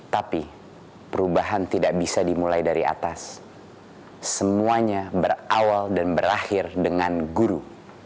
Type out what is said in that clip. tapi perubahan tidak bisa dimulai dari atas semuanya berawal dan berakhir dengan guru